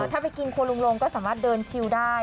ถ้าไปกินครัวลุงลงก็สามารถเดินชิวได้